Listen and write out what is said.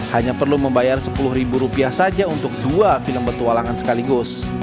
hanya perlu membayar sepuluh ribu rupiah saja untuk dua film petualangan sekaligus